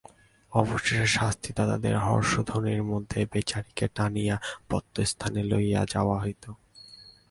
অবশেষে শাস্তিদাতাদের হর্ষধ্বনির মধ্যে বেচারীকে টানিয়া বধ্যস্থানে লইয়া যাওয়া হইত।